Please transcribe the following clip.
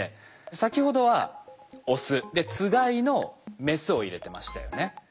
先ほどはオス。でつがいのメスを入れてましたよね。